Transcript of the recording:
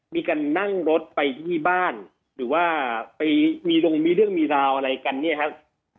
มีการนั่งรถไปที่บ้านหรือว่าไปมีลงมีเรื่องมีราวอะไรกันเนี่ยครับ